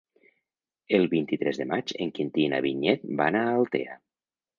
El vint-i-tres de maig en Quintí i na Vinyet van a Altea.